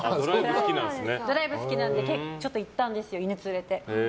ドライブ好きなので行ったんですよ、犬連れて。